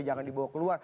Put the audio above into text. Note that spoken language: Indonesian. jangan dibawa keluar